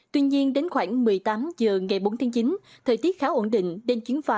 tuy nhiên đến khoảng một mươi tám h ngày bốn tháng chín thời tiết khá ổn định nên chuyến phà